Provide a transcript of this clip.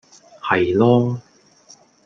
係囉